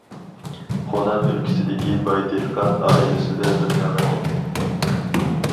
خۇنەن ئۆلكىسىدىكى باي دېھقان ئائىلىسىدە دۇنياغا كەلگەن.